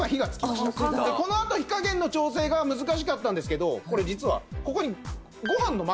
このあと火加減の調整が難しかったんですけどこれ実はここにご飯のマークがあります。